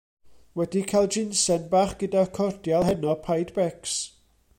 Wedi cael jinsen bach gyda'r cordial heno paid becs!